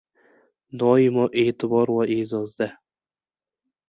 Doimo e’tibor va e’zozda